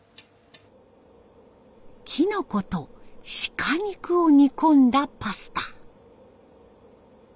キノコと鹿肉を煮込んだパスタ。